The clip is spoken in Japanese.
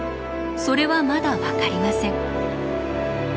それはまだ分かりません。